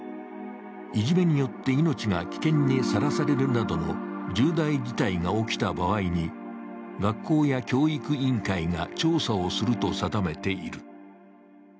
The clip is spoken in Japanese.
いじめによって命が危険にさらされるなどの重大事態が起きた場合に学校や教育委員会が調査をすると定めている。